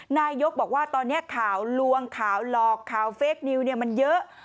นายกบอกว่าตอนนี้ข่าวลวงข่าวหลอกข่าวเฟคนิวมันเยอะ